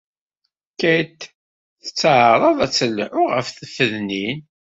Kate tettɛaraḍ ad telḥu ɣef tfednin.